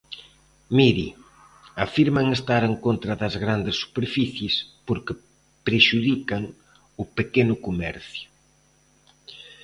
Mire: afirman estar en contra das grandes superficies porque prexudican o pequeno comercio.